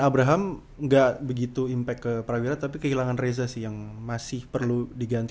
abraham nggak begitu impact ke prawira tapi kehilangan reza sih yang masih perlu diganti